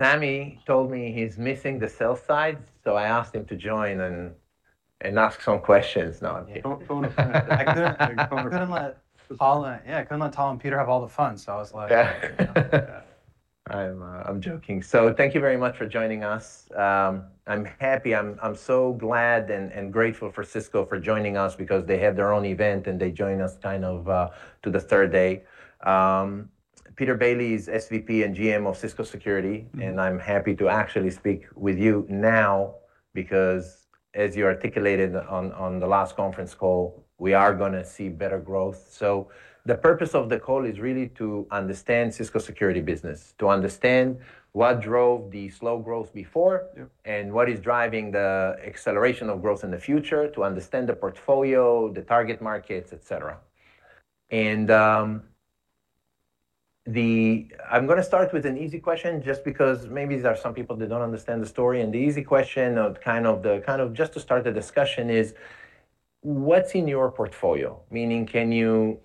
Sami told me he's missing the sell side, so I asked him to join and ask some questions. No, I'm kidding. I couldn't let Tom and Peter have all the fun, I was like. I'm joking. Thank you very much for joining us. I'm happy, I'm so glad and grateful for Cisco for joining us because they had their own event, and they join us to the third day. Peter Bailey is SVP and GM of Cisco Security, and I'm happy to actually speak with you now because, as you articulated on the last conference call, we are going to see better growth. The purpose of the call is really to understand Cisco Security business, to understand what drove the slow growth before. Yeah. What is driving the acceleration of growth in the future, to understand the portfolio, the target markets, et cetera. I'm going to start with an easy question just because maybe there are some people that don't understand the story. The easy question, just to start the discussion is, what's in your portfolio? Meaning, can you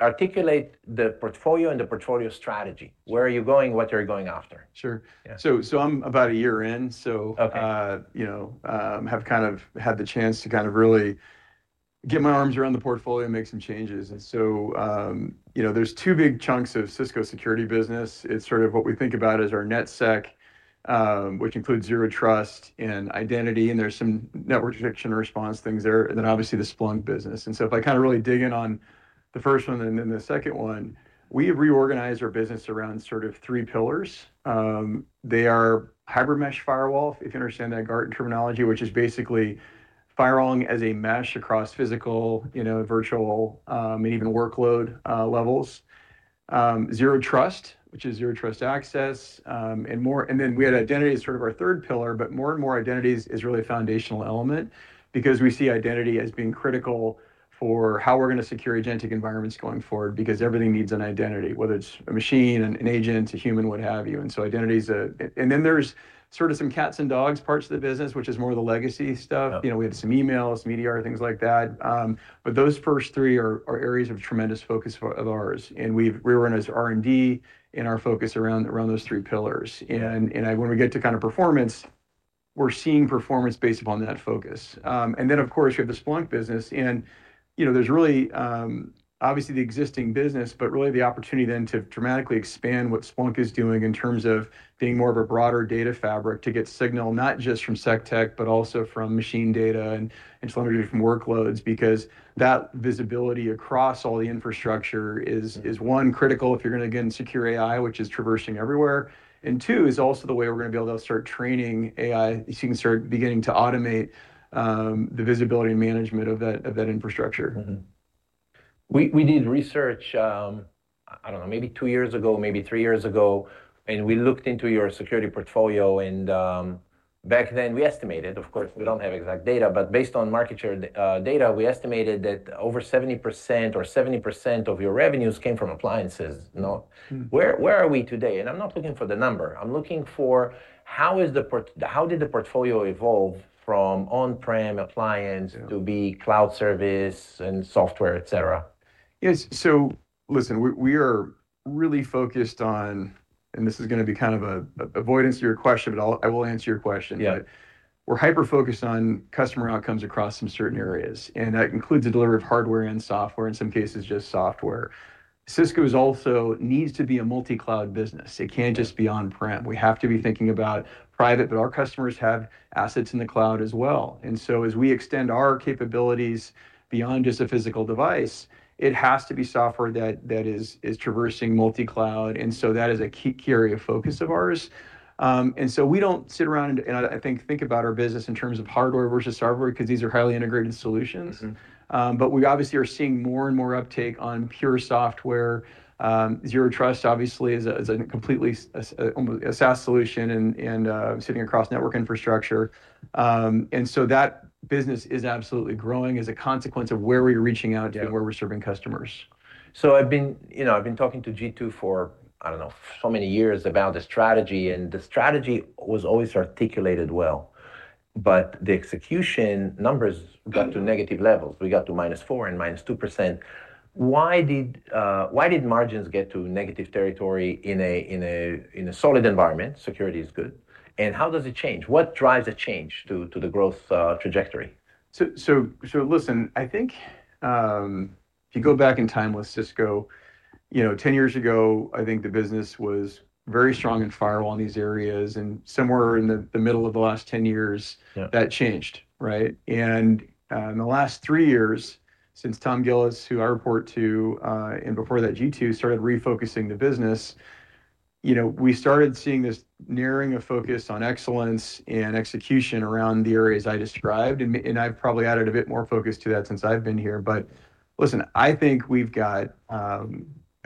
articulate the portfolio and the portfolio strategy? Where are you going? What you're going after? Sure. Yeah. I'm about a year in. Okay have had the chance to really get my arms around the portfolio and make some changes. There's two big chunks of Cisco Security business. It's sort of what we think about as our NetSec, which includes Zero Trust and identity, and there's some network detection and response things there. Then obviously the Splunk business. If I really dig in on the first one and then the second one, we have reorganized our business around three pillars. They are hybrid mesh firewall, if you understand that Gartner terminology, which is basically firewalling as a mesh across physical, virtual, maybe even workload levels. Zero Trust, which is Zero Trust access, and then we had identity as our third pillar, but more and more identities is really a foundational element because we see identity as being critical for how we're going to secure agentic environments going forward because everything needs an identity, whether it's a machine, an agent, a human, what have you. There's some cats and dogs parts of the business, which is more the legacy stuff. Oh. We had some emails, media, things like that. Those first three are areas of tremendous focus of ours, and we're in as R&D in our focus around those three pillars. When we get to performance, we're seeing performance based upon that focus. Of course, you have the Splunk business, and there's really obviously the existing business, but really the opportunity then to dramatically expand what Splunk is doing in terms of being more of a broader data fabric to get signal, not just from SecOps, but also from machine data and telemetry from workloads, because that visibility across all the infrastructure is one, critical if you're going to, again, secure AI, which is traversing everywhere. Two, is also the way we're going to be able to start training AI so you can start beginning to automate the visibility and management of that infrastructure. We did research, I don't know, maybe two years ago, maybe three years ago. We looked into your security portfolio. Back then we estimated, of course we don't have exact data, but based on market share data, we estimated that over 70% or 70% of your revenues came from appliances. No? Where are we today? I'm not looking for the number. I'm looking for how did the portfolio evolve from on-prem appliance- Yeah. To be cloud service and software, et cetera. Yeah. Listen, we are really focused on, and this is going to be kind of an avoidance to your question, but I will answer your question. Yeah. We're hyper-focused on customer outcomes across some certain areas, and that includes the delivery of hardware and software, in some cases, just software. Cisco also needs to be a multi-cloud business. It can't just be on-prem. We have to be thinking about private, but our customers have assets in the cloud as well. As we extend our capabilities beyond just a physical device, it has to be software that is traversing multi-cloud, and so that is a key area of focus of ours. We don't sit around and, I think, about our business in terms of hardware versus software because these are highly integrated solutions. We obviously are seeing more and more uptake on pure software. Zero Trust obviously is a completely a SaaS solution and sitting across network infrastructure. That business is absolutely growing as a consequence of where we're reaching out to. Yeah. Where we're serving customers. I've been talking to Jeetu for, I don't know, so many years about the strategy, and the strategy was always articulated well, but the execution numbers got to negative levels. We got to -4% and -2%. Why did margins get to negative territory in a solid environment? Security is good. How does it change? What drives a change to the growth trajectory? Listen, I think if you go back in time with Cisco, 10 years ago, I think the business was very strong in firewall and these areas, and somewhere in the middle of the last 10 years. Yeah. That changed. Right? In the last three years since Tom Gillis, who I report to, and before that Jeetu, started refocusing the business, we started seeing this narrowing of focus on excellence and execution around the areas I described, and I've probably added a bit more focus to that since I've been here. Listen, I think we've got a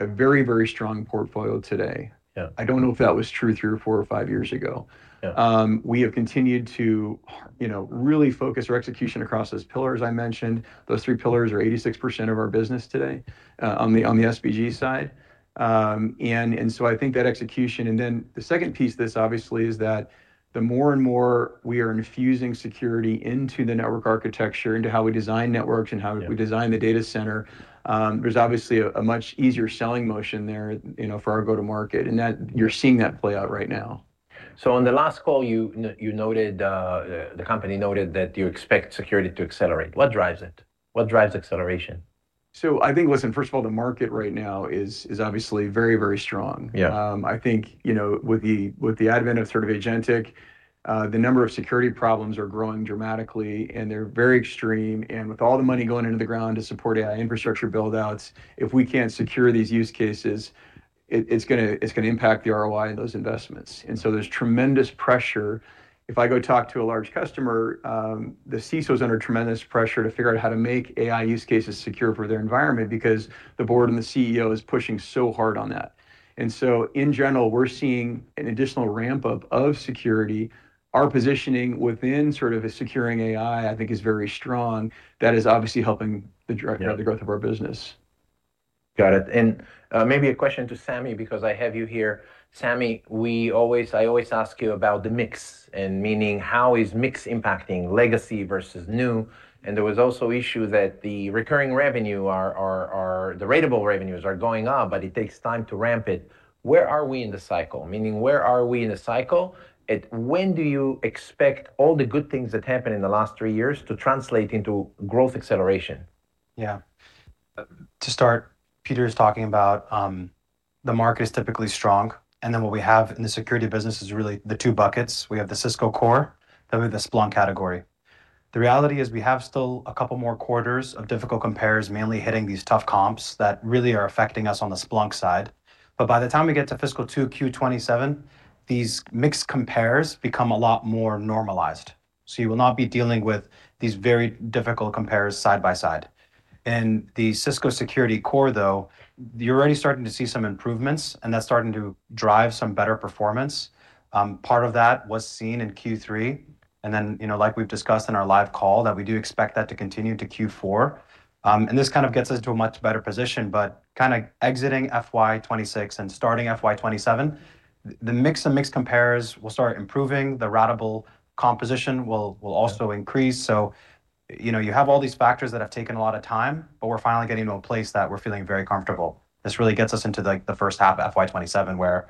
very strong portfolio today. Yeah. I don't know if that was true three or four or five years ago. Yeah. We have continued to really focus our execution across those pillars I mentioned. Those three pillars are 86% of our business today on the SBG side. I think that execution, and then the second piece of this obviously is that the more and more we are infusing security into the network architecture, into how we design networks. Yeah. We design the data center, there's obviously a much easier selling motion there for our go-to-market, and you're seeing that play out right now. On the last call, the company noted that you expect security to accelerate. What drives it? What drives acceleration? I think, listen, first of all, the market right now is obviously very, very strong. Yeah. I think, with the advent of agentic, the number of security problems are growing dramatically, and they're very extreme. With all the money going into the ground to support AI infrastructure build-outs, if we can't secure these use cases, it's going to impact the ROI on those investments. There's tremendous pressure. If I go talk to a large customer, the CISO is under tremendous pressure to figure out how to make AI use cases secure for their environment because the board and the CEO is pushing so hard on that. In general, we're seeing an additional ramp-up of security. Our positioning within a securing AI, I think is very strong. That is obviously helping to drive. Yeah. The growth of our business. Got it. Maybe a question to Sami, because I have you here. Sami, I always ask you about the mix, and meaning how is mix impacting legacy versus new. There was also issue that the recurring revenue, the ratable revenues are going up, but it takes time to ramp it. Where are we in the cycle? When do you expect all the good things that happened in the last three years to translate into growth acceleration? To start, Peter is talking about the market is typically strong. What we have in the security business is really the two buckets. We have the Cisco core, we have the Splunk category. The reality is we have still a couple more quarters of difficult compares, mainly hitting these tough comps that really are affecting us on the Splunk side. By the time we get to fiscal 2Q27, these mixed compares become a lot more normalized. You will not be dealing with these very difficult compares side by side. In the Cisco Security Core, though, you're already starting to see some improvements, and that's starting to drive some better performance. Part of that was seen in Q3, and then, like we've discussed in our live call, that we do expect that to continue to Q4. This kind of gets us to a much better position. Kind of exiting FY 2026 and starting FY 2027, the mix and mix compares will start improving. The ratable composition will also increase. You have all these factors that have taken a lot of time, but we're finally getting to a place that we're feeling very comfortable. This really gets us into the first half of FY 2027, where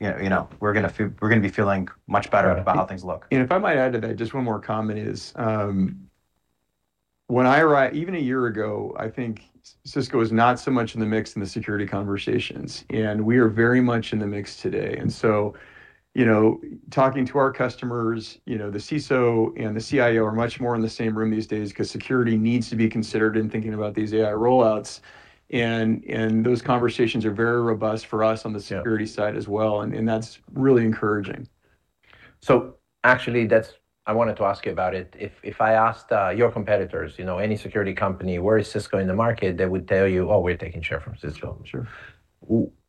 we're going to be feeling much better. Got it. about how things look. If I might add to that, just one more comment is, even a year ago, I think Cisco was not so much in the mix in the security conversations, we are very much in the mix today. Talking to our customers, the CISO and the CIO are much more in the same room these days because security needs to be considered in thinking about these AI roll-outs. Those conversations are very robust for us on the security- Yeah. Side as well, and that's really encouraging. Actually, I wanted to ask you about it. If I asked your competitors, any security company, where is Cisco in the market, they would tell you, "Oh, we're taking share from Cisco. Sure.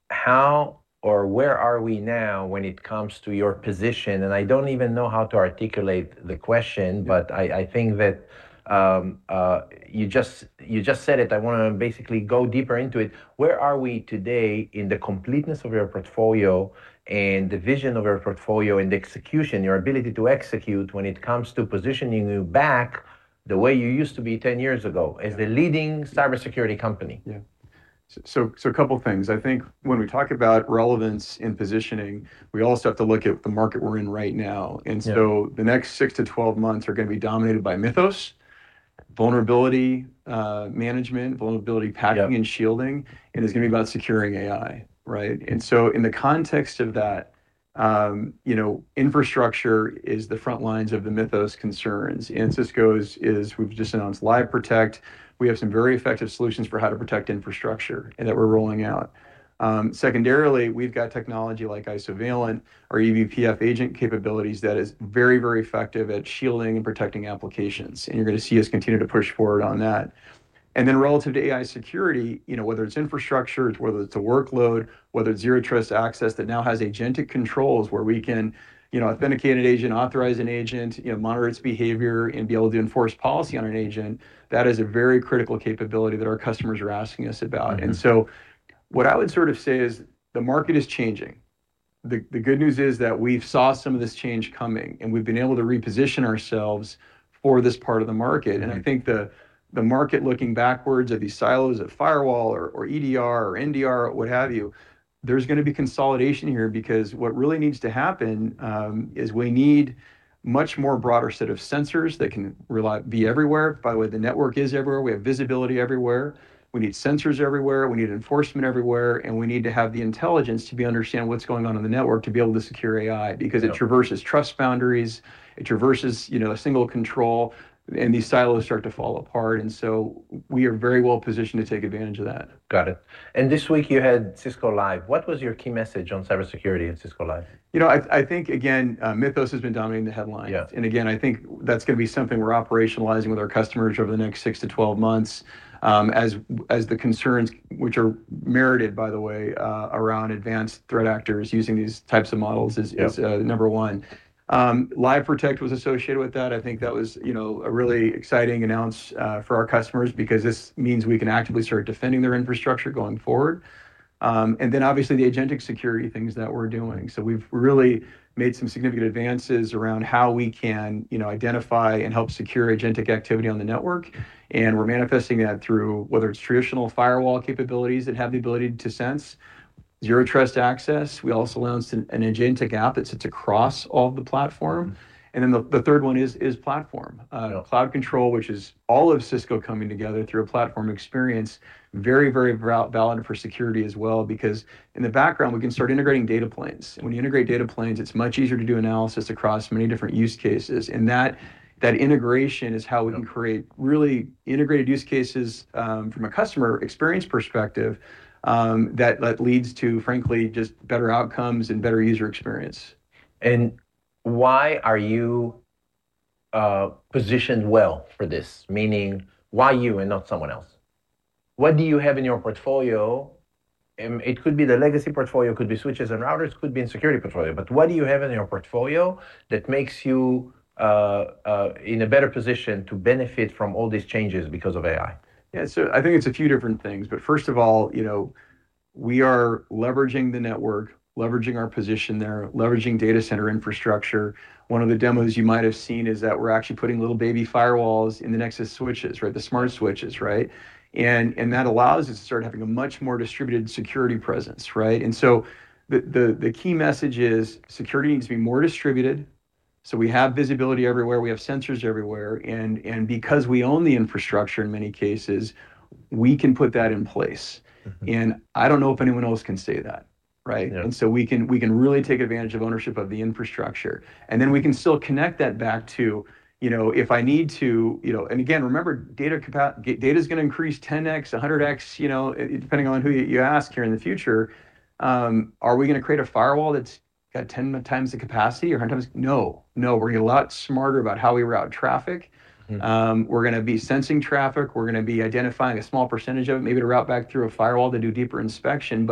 How or where are we now when it comes to your position? I don't even know how to articulate the question, but I think that you just said it. I want to basically go deeper into it. Where are we today in the completeness of your portfolio and the vision of your portfolio and the execution, your ability to execute when it comes to positioning you back the way you used to be 10 years ago as the leading cybersecurity company? A couple of things. I think when we talk about relevance in positioning, we also have to look at the market we're in right now. Yeah. The next 6-12 months are going to be dominated by Mythos, vulnerability management, vulnerability patching. Yeah. Shielding, it's going to be about securing AI, right? In the context of that, infrastructure is the front lines of the Mythos concerns. Cisco's we've just announced Live Protect. We have some very effective solutions for how to protect infrastructure, and that we're rolling out. Secondarily, we've got technology like Isovalent or eBPF agent capabilities that is very, very effective at shielding and protecting applications. You're going to see us continue to push forward on that. Then relative to AI security, whether it's infrastructure, whether it's a workload, whether it's Zero Trust Access that now has agentic controls where we can authenticate an agent, authorize an agent, monitor its behavior, and be able to enforce policy on an agent, that is a very critical capability that our customers are asking us about. What I would sort of say is the market is changing. The good news is that we've saw some of this change coming, and we've been able to reposition ourselves for this part of the market. Right. I think the market looking backwards of these silos of firewall or EDR or NDR, what have you, there's going to be consolidation here because what really needs to happen is we need much more broader set of sensors that can be everywhere, by the way the network is everywhere. We have visibility everywhere. We need sensors everywhere. We need enforcement everywhere. We need to have the intelligence to be able to understand what's going on in the network to be able to secure AI because it traverses trust boundaries. It traverses a single control, and these silos start to fall apart. We are very well positioned to take advantage of that. Got it. This week you had Cisco Live. What was your key message on cybersecurity at Cisco Live? I think, again, Mythos has been dominating the headlines. Yeah. Again, I think that's going to be something we're operationalizing with our customers over the next 6-12 months. As the concerns which are merited, by the way, around advanced threat actors using these types of models. Yeah. Number one. Live Protect was associated with that. I think that was a really exciting announce for our customers because this means we can actively start defending their infrastructure going forward. Obviously the agentic security things that we're doing. We've really made some significant advances around how we can identify and help secure agentic activity on the network, and we're manifesting that through whether it's traditional firewall capabilities that have the ability to sense Zero Trust access. We also launched an agentic app that sits across all the platform. The third one is platform. Yeah. Cloud Control, which is all of Cisco coming together through a platform experience. Very, very valid for security as well, because in the background, we can start integrating data planes. When you integrate data planes, it's much easier to do analysis across many different use cases. That integration is how we can create really integrated use cases from a customer experience perspective that leads to, frankly, just better outcomes and better user experience. Why are you positioned well for this? Meaning, why you and not someone else? What do you have in your portfolio? It could be the legacy portfolio, could be switches and routers, could be in security portfolio. What do you have in your portfolio that makes you in a better position to benefit from all these changes because of AI? Yeah. I think it's a few different things. First of all, we are leveraging the network, leveraging our position there, leveraging data center infrastructure. One of the demos you might have seen is that we're actually putting little baby firewalls in the Nexus switches, right? The Smart Switches, right? That allows us to start having a much more distributed security presence, right? The key message is security needs to be more distributed. We have visibility everywhere, we have sensors everywhere, and because we own the infrastructure in many cases, we can put that in place. I don't know if anyone else can say that, right? Yeah. We can really take advantage of ownership of the infrastructure. We can still connect that back to if I need to. Again, remember data's going to increase 10x, 100x, depending on who you ask here in the future. Are we going to create a firewall that's got 10x the capacity or 100x? No. We're going to be a lot smarter about how we route traffic. We're going to be sensing traffic. We're going to be identifying a small percentage of it, maybe to route back through a firewall to do deeper inspection.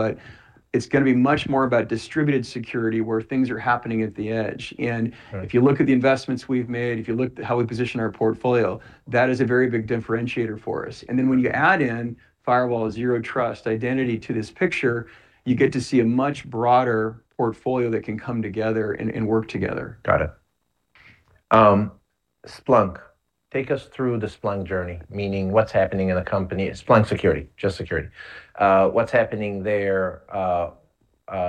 It's going to be much more about distributed security where things are happening at the edge. Right. If you look at the investments we've made, if you look at how we position our portfolio, that is a very big differentiator for us. When you add in firewall, Zero Trust, identity to this picture, you get to see a much broader portfolio that can come together and work together. Got it. Splunk. Take us through the Splunk journey, meaning what's happening in the company. Splunk security, just security. What's happening there?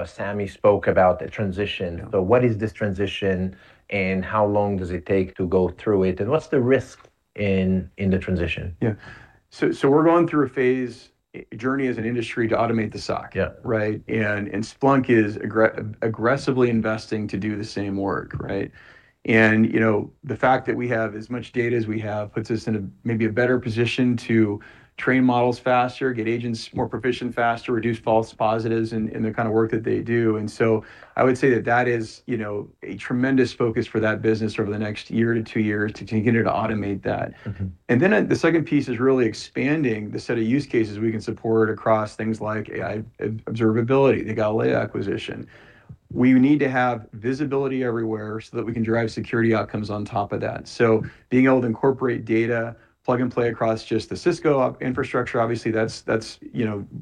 Sami spoke about the transition. Yeah. What is this transition, and how long does it take to go through it, and what's the risk in the transition? Yeah. We're going through a phase, a journey as an industry to automate the SOC. Yeah. Right. Splunk is aggressively investing to do the same work, right. The fact that we have as much data as we have puts us in maybe a better position to train models faster, get agents more proficient faster, reduce false positives in the kind of work that they do. I would say that that is a tremendous focus for that business over the next year to two years to continue to automate that. The second piece is really expanding the set of use cases we can support across things like AI observability, the Galileo acquisition. We need to have visibility everywhere so that we can drive security outcomes on top of that. Being able to incorporate data, plug and play across just the Cisco infrastructure, obviously that's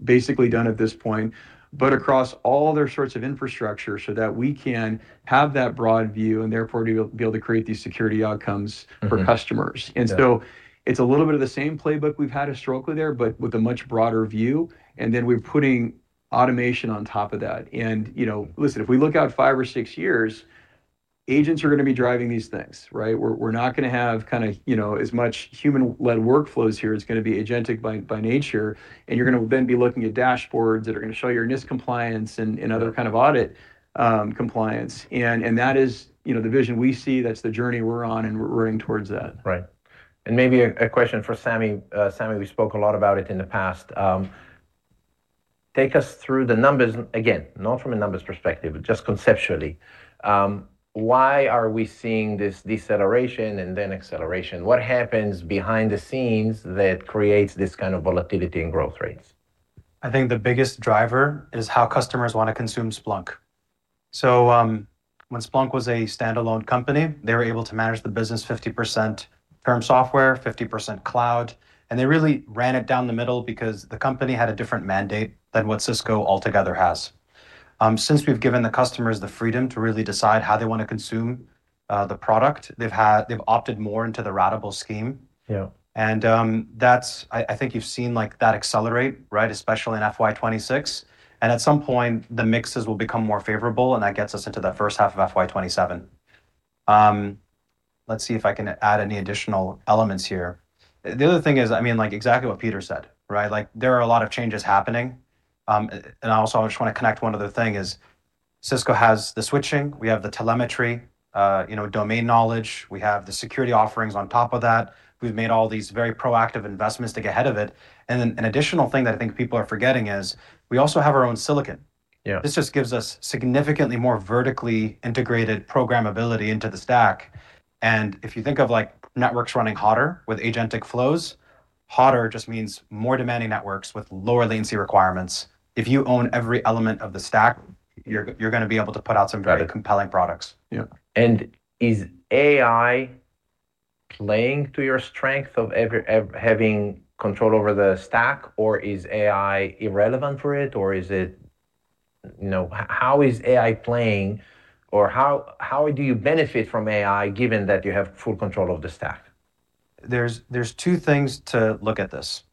basically done at this point, but across all other sorts of infrastructure so that we can have that broad view and therefore be able to create these security outcomes for customers. Okay. Yeah. It's a little bit of the same playbook we've had historically there, but with a much broader view. Then we're putting automation on top of that. Listen, if we look out five or six years, agents are going to be driving these things, right? We're not going to have as much human-led workflows here. It's going to be agentic by nature, and you're going to then be looking at dashboards that are going to show your NIST compliance and other kind of audit, compliance. That is the vision we see. That's the journey we're on, and we're roaring towards that. Right. Maybe a question for Sami. Sami, we spoke a lot about it in the past. Take us through the numbers again, not from a numbers perspective, but just conceptually, why are we seeing this deceleration and then acceleration? What happens behind the scenes that creates this kind of volatility in growth rates? I think the biggest driver is how customers want to consume Splunk. When Splunk was a standalone company, they were able to manage the business 50% term software, 50% cloud, and they really ran it down the middle because the company had a different mandate than what Cisco altogether has. Since we've given the customers the freedom to really decide how they want to consume the product they've opted more into the ratable scheme. Yeah. I think you've seen that accelerate, right? Especially in FY 2026. At some point, the mixes will become more favorable, and that gets us into the first half of FY 2027. Let's see if I can add any additional elements here. The other thing is, exactly what Peter said. There are a lot of changes happening. I also just want to connect one other thing is Cisco has the switching, we have the telemetry, domain knowledge. We have the security offerings on top of that. We've made all these very proactive investments to get ahead of it. Then an additional thing that I think people are forgetting is we also have our own silicon. Yeah. This just gives us significantly more vertically integrated programmability into the stack. If you think of networks running hotter with agentic flows, hotter just means more demanding networks with lower latency requirements. If you own every element of the stack, you're going to be able to put out some very compelling products. Got it. Yeah. Is AI playing to your strength of having control over the stack, or is AI irrelevant for it, or how is AI playing, or how do you benefit from AI given that you have full control of the stack? There's two things to look at this.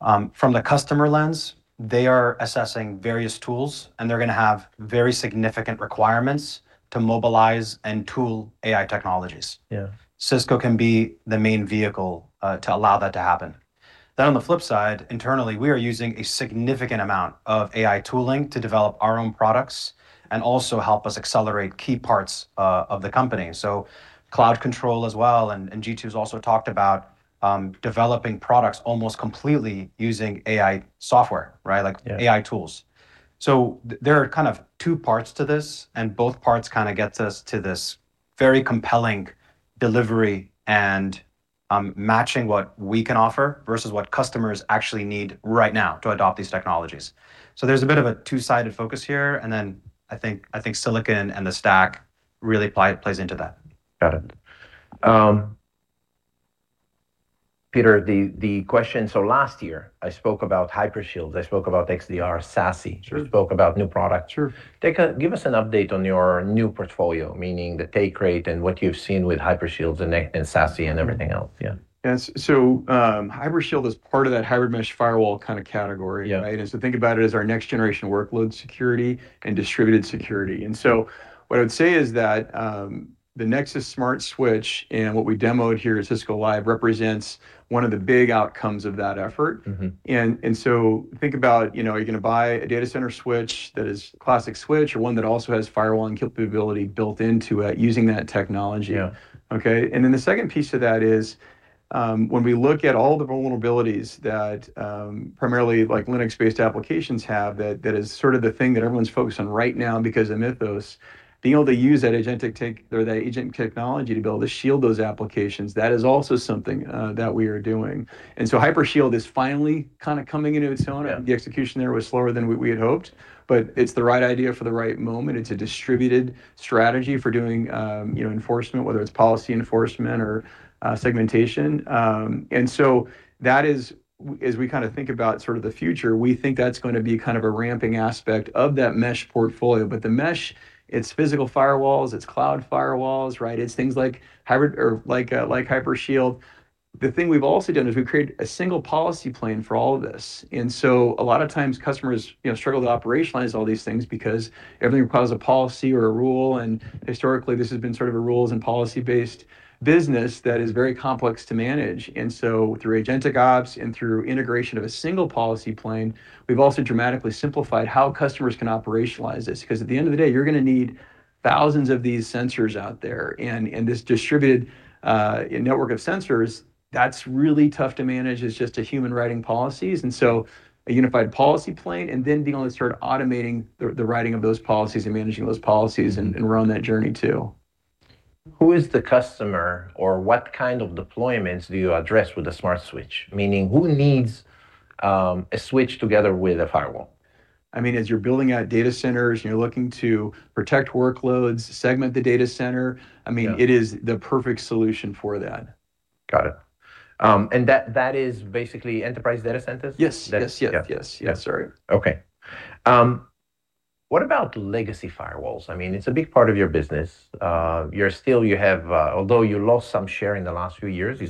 From the customer lens, they are assessing various tools, and they're going to have very significant requirements to mobilize and tool AI technologies. Yeah. Cisco can be the main vehicle to allow that to happen. On the flip side, internally, we are using a significant amount of AI tooling to develop our own products and also help us accelerate key parts of the company. Cloud Control as well, and Jeetu's also talked about developing products almost completely using AI software, right? Yeah. AI tools. There are kind of two parts to this, and both parts kind of gets us to this very compelling delivery and matching what we can offer versus what customers actually need right now to adopt these technologies. There's a bit of a two-sided focus here, and then I think silicon and the stack really plays into that. Got it. Peter, the question, last year I spoke about Hypershield, I spoke about XDR, SASE. Sure. Spoke about new products. Sure. Give us an update on your new portfolio, meaning the take rate and what you've seen with Hypershield and SASE and everything else. Yeah. Yeah. Hypershield is part of that hybrid mesh firewall kind of category, right? Yeah. Think about it as our next-generation workload security and distributed security. What I would say is that the Nexus Smart Switch and what we demoed here at Cisco Live represents one of the big outcomes of that effort. Think about are you going to buy a data center switch that is classic switch or one that also has firewall capability built into it using that technology. Yeah. Okay? The second piece of that is when we look at all the vulnerabilities that primarily Linux-based applications have, that is sort of the thing that everyone's focused on right now because of Mythos, being able to use that agent technology to be able to shield those applications, that is also something that we are doing. Hypershield is finally kind of coming into its own. Yeah. The execution there was slower than we had hoped, but it's the right idea for the right moment. It's a distributed strategy for doing enforcement, whether it's policy enforcement or segmentation. That is, as we think about the future, we think that's going to be a ramping aspect of that mesh portfolio. The mesh, it's physical firewalls, it's cloud firewalls. It's things like Hypershield. The thing we've also done is we've created a single policy plane for all of this. A lot of times customers struggle to operationalize all these things because everything requires a policy or a rule, and historically, this has been a rules and policy-based business that is very complex to manage. Through agentic ops and through integration of a single policy plane, we've also dramatically simplified how customers can operationalize this, because at the end of the day, you're going to need thousands of these sensors out there, and this distributed network of sensors, that's really tough to manage as just a human writing policies. A unified policy plane and then being able to start automating the writing of those policies and managing those policies and run that journey too. Who is the customer or what kind of deployments do you address with the Smart Switch? Meaning who needs a switch together with a firewall? As you're building out data centers and you're looking to protect workloads, segment the data center, it is the perfect solution for that. Got it. That is basically enterprise data centers? Yes. That's it. Yes, sir. Okay. What about legacy firewalls? It's a big part of your business. Although you lost some share in the last few years,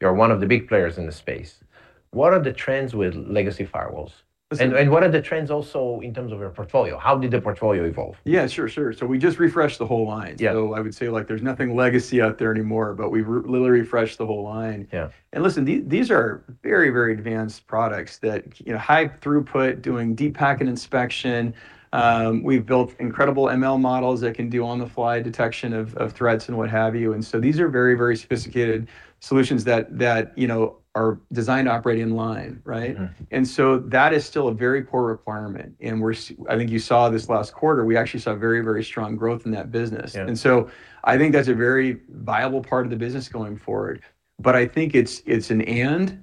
you're one of the big players in the space. What are the trends with legacy firewalls? Listen- What are the trends also in terms of your portfolio? How did the portfolio evolve? Yeah, sure. We just refreshed the whole line. Yeah. I would say there's nothing legacy out there anymore, but we've literally refreshed the whole line. Yeah. Listen, these are very advanced products that high throughput, doing deep packet inspection. We've built incredible ML models that can do on-the-fly detection of threats and what have you. These are very sophisticated solutions that are designed to operate in line, right. That is still a very core requirement, and I think you saw this last quarter, we actually saw very strong growth in that business. Yeah. I think that's a very viable part of the business going forward. I think it's an and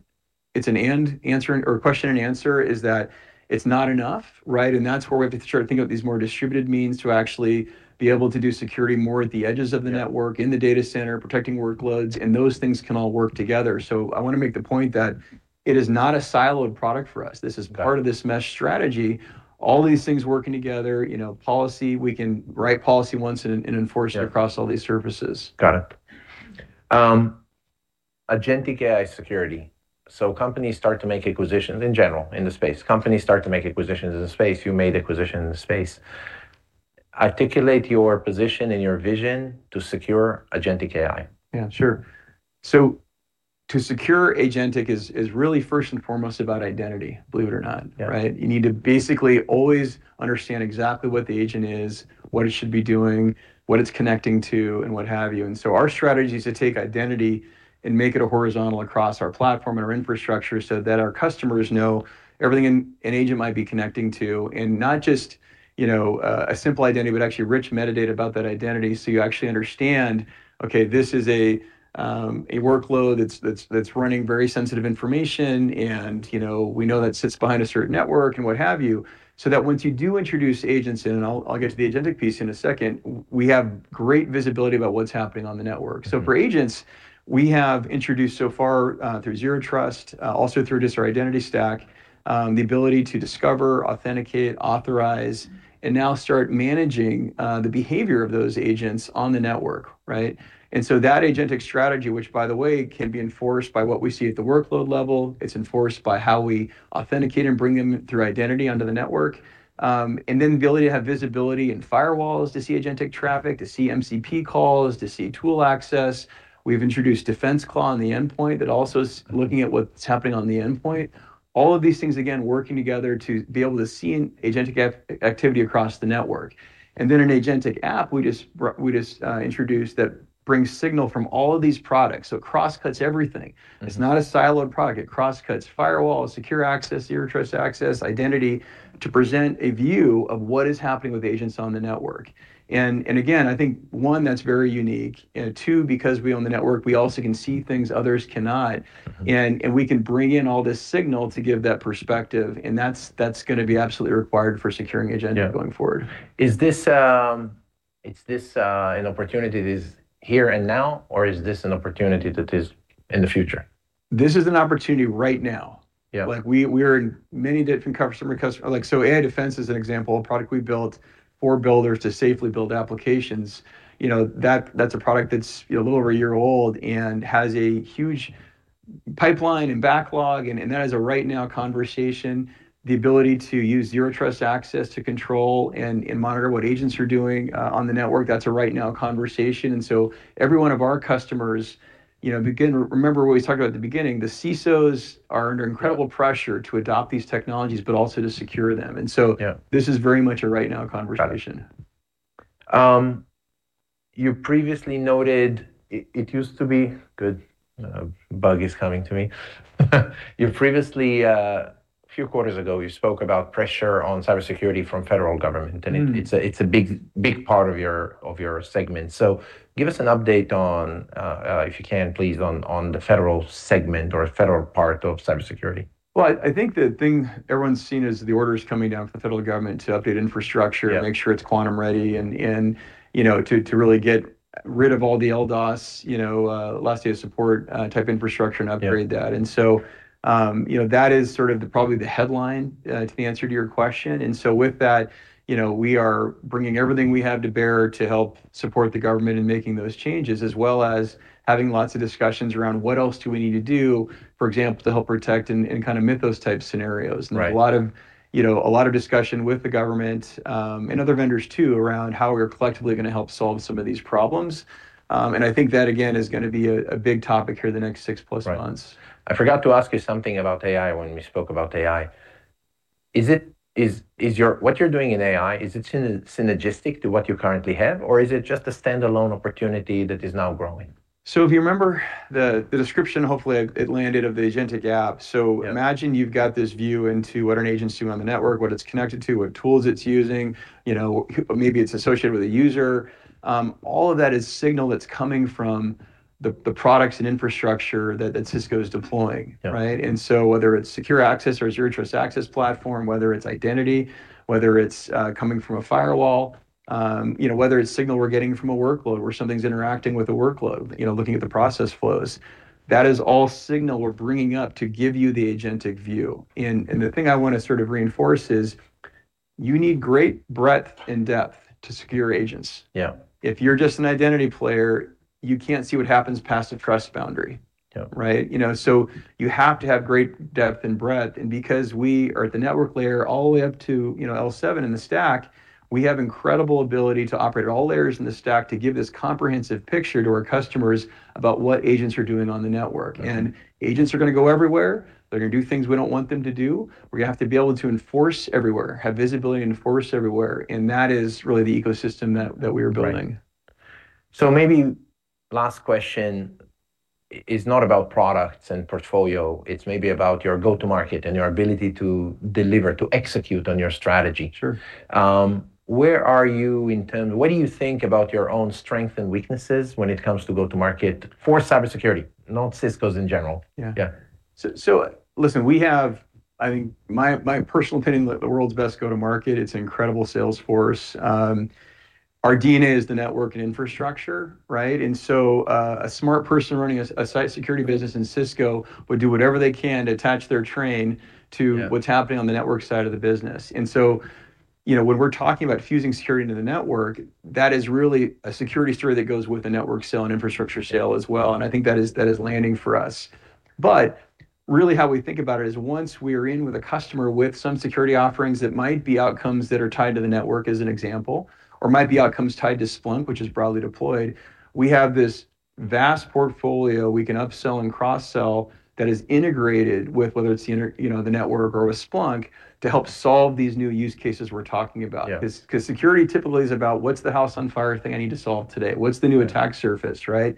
answer or question and answer is that it's not enough, right? That's where we have to start to think about these more distributed means to actually be able to do security more at the edges of the network. Yeah. In the data center, protecting workloads, and those things can all work together. I want to make the point that it is not a siloed product for us. Got it. This is part of this mesh strategy, all these things working together, policy. We can write policy once and enforce it. Yeah Across all these services. Got it. Agentic AI security. Companies start to make acquisitions in general in the space. Companies start to make acquisitions in the space. You made acquisitions in the space. Articulate your position and your vision to secure agentic AI. Yeah, sure. To secure agentic is really first and foremost about identity, believe it or not. Yeah. Right? You need to basically always understand exactly what the agent is, what it should be doing, what it's connecting to, and what have you. Our strategy is to take identity and make it a horizontal across our platform and our infrastructure so that our customers know everything an agent might be connecting to, and not just a simple identity, but actually rich metadata about that identity. You actually understand, okay, this is a workload that's running very sensitive information and we know that sits behind a certain network and what have you, so that once you do introduce agents in, I'll get to the agentic piece in a second, we have great visibility about what's happening on the network. For agents, we have introduced so far, through Zero Trust, also through just our identity stack, the ability to discover, authenticate, authorize, and now start managing the behavior of those agents on the network. Right? That agentic strategy, which by the way, can be enforced by what we see at the workload level, it's enforced by how we authenticate and bring them through identity onto the network, and then the ability to have visibility and firewalls to see agentic traffic, to see MCP calls, to see tool access. We've introduced DefenseClaw on the endpoint that also is looking at what's happening on the endpoint. All of these things, again, working together to be able to see an agentic activity across the network. An agentic app we just introduced that brings signal from all of these products. It cross-cuts everything. Yeah. It's not a siloed product. It cross-cuts firewalls, secure access, Zero Trust access, identity, to present a view of what is happening with agents on the network. Again, I think, one, that's very unique, and two, because we own the network, we also can see things others cannot, and we can bring in all this signal to give that perspective, and that's going to be absolutely required for securing agentic going forward. Yeah. Is this an opportunity that is here and now, or is this an opportunity that is in the future? This is an opportunity right now. Yeah. AI Defense is an example, a product we built for builders to safely build applications. That's a product that's a little over a year old and has a huge pipeline and backlog, and that is a right now conversation. The ability to use Zero Trust access to control and monitor what agents are doing on the network, that's a right now conversation. Every one of our customers, remember what we talked about at the beginning, the CISOs are under incredible pressure to adopt these technologies, but also to secure them. Yeah. This is very much a right now conversation. Got it. You previously noted it used to be Good. A bug is coming to me. A few quarters ago, you spoke about pressure on cybersecurity from federal government, and it's a big part of your segment. Give us an update, if you can, please, on the federal segment or federal part of cybersecurity? Well, I think the thing everyone's seen is the orders coming down from the federal government to update infrastructure. Yeah. Make sure it's quantum ready, and to really get rid of all the LDOS, last day of support type infrastructure. Yeah. Upgrade that. That is sort of probably the headline to the answer to your question. With that, we are bringing everything we have to bear to help support the government in making those changes, as well as having lots of discussions around what else do we need to do, for example, to help protect and kind of MITRE those type scenarios. Right. A lot of discussion with the government, and other vendors too, around how we're collectively going to help solve some of these problems. I think that, again, is going to be a big topic here in the next 6+ months. Right. I forgot to ask you something about AI when we spoke about AI. What you're doing in AI, is it synergistic to what you currently have, or is it just a standalone opportunity that is now growing? If you remember the description, hopefully, it landed, of the agentic app. Yeah. Imagine you've got this view into what are agents doing on the network, what it's connected to, what tools it's using. Maybe it's associated with a user. All of that is signal that's coming from the products and infrastructure that Cisco's deploying. Yeah. Right? Whether it's secure access or Zero Trust Access Platform, whether it's identity, whether it's coming from a firewall, whether it's signal we're getting from a workload where something's interacting with a workload, looking at the process flows, that is all signal we're bringing up to give you the agentic view. The thing I want to sort of reinforce is you need great breadth and depth to secure agents. Yeah. If you're just an identity player, you can't see what happens past a trust boundary. Yeah. Right? You have to have great depth and breadth. Because we are at the network layer all the way up to L7 in the stack, we have incredible ability to operate at all layers in the stack to give this comprehensive picture to our customers about what agents are doing on the network. Okay. Agents are going to go everywhere. They're going to do things we don't want them to do. We have to be able to enforce everywhere, have visibility, and enforce everywhere. That is really the ecosystem that we are building. Right. Maybe last question is not about products and portfolio, it's maybe about your go to market and your ability to deliver, to execute on your strategy. Sure. What do you think about your own strength and weaknesses when it comes to go to market for cybersecurity, not Cisco's in general? Yeah. Yeah. Listen, we have, I think, my personal opinion, the world's best go to market. It's an incredible sales force. Our DNA is the network and infrastructure, right? A smart person running a site security business in Cisco would do whatever they can to attach their train. Yeah. What's happening on the network side of the business. When we're talking about fusing security into the network, that is really a security story that goes with a network sale and infrastructure sale as well. I think that is landing for us. Really how we think about it is once we are in with a customer with some security offerings, that might be outcomes that are tied to the network, as an example, or might be outcomes tied to Splunk, which is broadly deployed. We have this vast portfolio we can upsell and cross-sell that is integrated with, whether it's the network or with Splunk, to help solve these new use cases we're talking about. Yeah. Because security typically is about what's the house on fire thing I need to solve today? What's the new attack surface, right?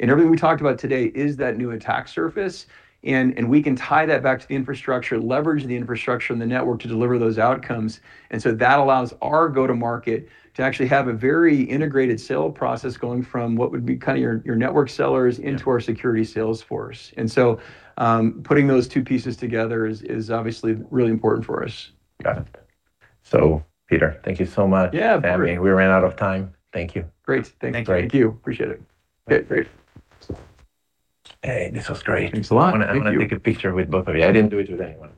Everything we talked about today is that new attack surface, and we can tie that back to the infrastructure, leverage the infrastructure and the network to deliver those outcomes. That allows our go to market to actually have a very integrated sale process going from what would be kind of your network sellers into our security sales force. Putting those two pieces together is obviously really important for us. Got it. Peter, thank you so much. Yeah. We ran out of time. Thank you. Great. Thanks. Thanks, great. Thank you. Appreciate it. Okay, great. Hey, this was great. Thanks a lot. Thank you. I'm going to take a picture with both of you. I didn't do it with anyone